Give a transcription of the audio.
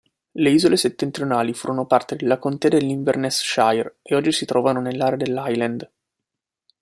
Le isole settentrionali furono parte della contea dell'Inverness-shire e oggi si trovano nell'area dell'Highland.